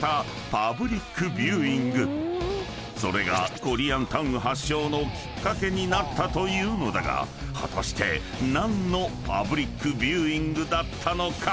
［それがコリアンタウン発祥のきっかけになったというのだが果たして何のパブリックビューイングだったのか？］